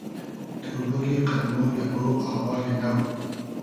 تو بوگی قئد مۉ اگۉ آوالی نۆ